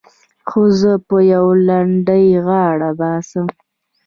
خو زه په يوه لنډۍ غاړه باسم.